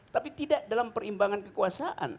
tapi tidak dalam perimbangan kekuasaan